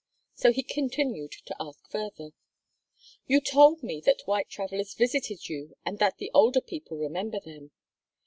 So he continued to ask further: "You told me that white travelers visited you and that the older people remember them."